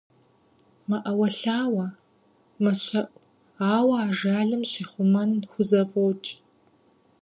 МэӀэуэлъауэ, мэщэӀу, ауэ ажалым щихъумэн хузэфӀокӀ.